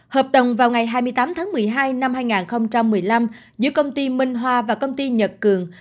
hợp đồng vào ngày hai mươi tám tháng một mươi hai năm hai nghìn một mươi năm giữa công ty minh hoa và công ty nhật cường